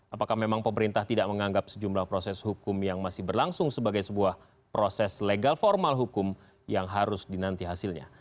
apakah memang pemerintah tidak menganggap sejumlah proses hukum yang masih berlangsung sebagai sebuah proses legal formal hukum yang harus dinanti hasilnya